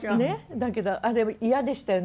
だけどあれ嫌でしたよね。